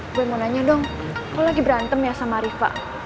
eh gue mau nanya dong lo lagi berantem ya sama rifa